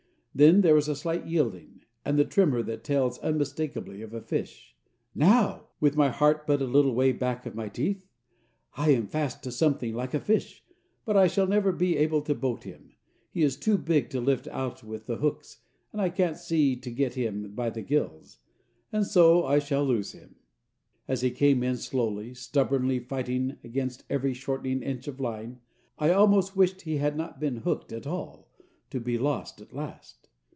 Then there was a slight yielding, and the tremor that tells unmistakably of a fish. "Now," said I, with my heart but a little way back of my teeth, "I am fast to something like a fish, but I shall never be able to boat him. He is too big to lift out with the hooks, and I can't see to get him by the gills, and so I shall lose him." As he came in slowly, stubbornly fighting against every shortening inch of line, I almost wished he had not been hooked at all only to be lost at last.